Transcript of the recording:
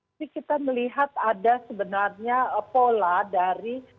tapi kita melihat ada sebenarnya pola dari